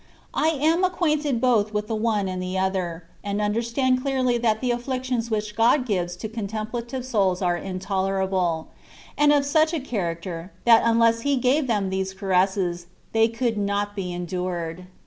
I am acquainted both with the one and the other, and understand clearly that the afflictions which God gives to contemplative souls are intolerable, and of such a character, that unless He gave them these caresses, they could not be endured.